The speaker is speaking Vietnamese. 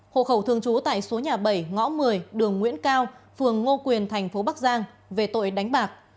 hồ khẩu thường trú tại số nhà bảy ngõ một mươi đường nguyễn cao phường ngô quyền tp bắc giang về tội đánh bạc